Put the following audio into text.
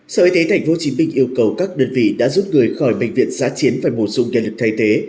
sở y tế tp hcm yêu cầu các đơn vị đã rút người khỏi bệnh viện giã chiến phải bổ sung nghệ lực thay thế